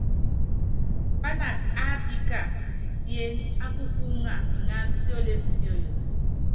Pának ábííka kisién á kukúúŋa iŋánd sióle sí píóyosi.